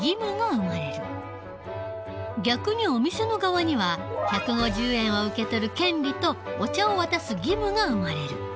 逆にお店の側には１５０円を受けとる権利とお茶を渡す義務が生まれる。